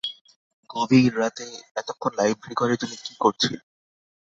গভীর রাতে এতক্ষণ লাইব্রেরি ঘরে তুমি কী করছিলে?